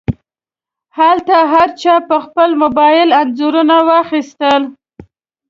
هلته هر چا په خپل موبایل انځورونه واخیستل.